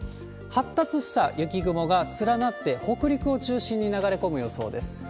発達した雪雲が連なって、北陸を中心に流れ込む予想です。